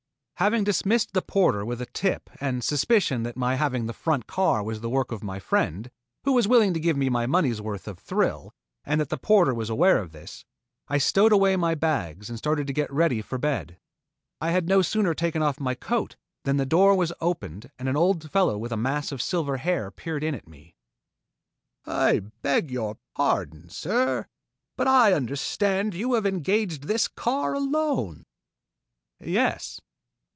Having dismissed the porter with a tip and the suspicion that my having the front car was the work of my friend, who was willing to give me my money's worth of thrill, and that the porter was aware of this, I stowed away my bags and started to get ready for bed. I had no sooner taken off my coat than the door was opened and an old fellow with a mass of silver hair peered in at me. "I beg your pardon, sir, but I understand you have engaged this car alone?" "Yes."